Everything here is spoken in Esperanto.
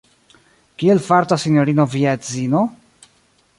Kiel fartas Sinjorino via edzino?